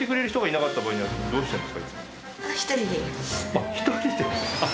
あっ１人で？